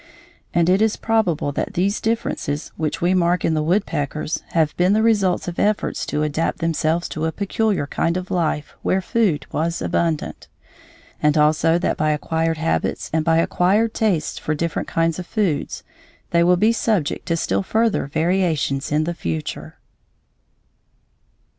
And it is probable that these differences which we mark in the woodpeckers have been the result of efforts to adapt themselves to a peculiar kind of life where food was abundant; and also that by acquired habits and by acquired tastes for different kinds of foods they will be subject to still further variations in the future.